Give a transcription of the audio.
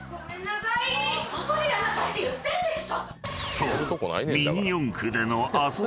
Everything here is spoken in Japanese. ［そう］